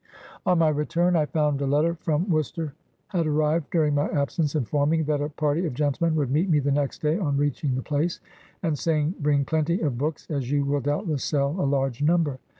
" On my return, I found a letter from Worcester had arrived during my absence, informing me that a party of gentlemen would meet me the next day on reaching the place, and saying, ' Bring plenty of books, as you will doubtless sell a large number.'